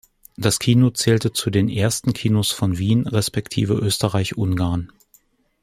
Das Kino zählte zu den ersten Kinos von Wien, respektive Österreich-Ungarn.